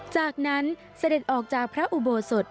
จากนั้นเสด็จออกจากพระอุโบสถ